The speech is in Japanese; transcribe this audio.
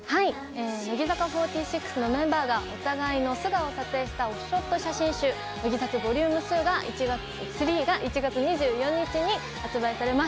乃木坂４６のメンバーがお互いの素顔を撮影したオフショット写真集「乃木撮ＶＯＬ．０３」が１月２４日に発売されます。